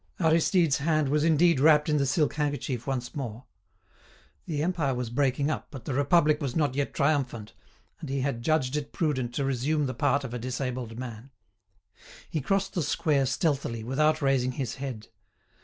Aristide's hand was indeed wrapped in the silk handkerchief once more. The Empire was breaking up, but the Republic was not yet triumphant, and he had judged it prudent to resume the part of a disabled man. He crossed the square stealthily, without raising his head.